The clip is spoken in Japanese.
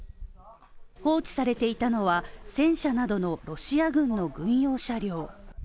放置されていたのは、戦車などのロシア軍の軍用車両。